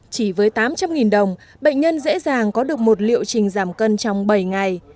chỉ với tám trăm linh đồng bệnh nhân dễ dàng có được một liệu trình giảm cân trong bảy ngày